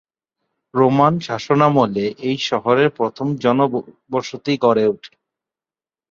Roman শাসনামলে এই শহরে প্রথম জনবসতি গড়ে ওঠে।